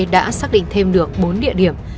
đã xác định thêm được bốn địa điểm